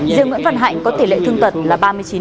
riêng nguyễn văn hạnh có tỷ lệ thương tật là ba mươi chín